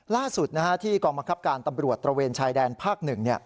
ล่าสุดที่กองบังคับการตำรวจตระเวนชายแดนภาค๑